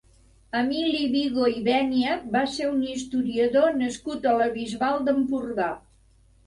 Emili Vigo i Bènia va ser un historiador nascut a la Bisbal d'Empordà.